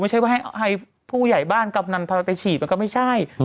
ไม่ใช่ว่าให้ผู้ใหญ่บ้านกำนันพาไปฉีดมันก็ไม่ใช่